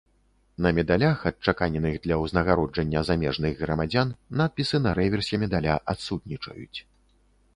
На медалях, адчаканеных для ўзнагароджання замежных грамадзян, надпісы на рэверсе медаля адсутнічаюць.